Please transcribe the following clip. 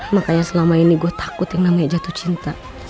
makanya selama ini gue takut yang namanya jatuh cinta